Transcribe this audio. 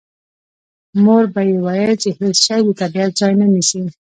مور به یې ویل چې هېڅ شی د طبیعت ځای نه نیسي